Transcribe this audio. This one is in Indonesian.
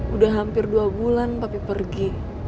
udah hampir dua bulan papi pergi